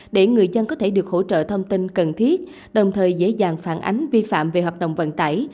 để người dân có thể được hỗ trợ thông tin cần thiết đồng thời dễ dàng phản ánh vi phạm về hoạt động vận tải